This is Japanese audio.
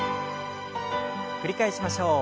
繰り返しましょう。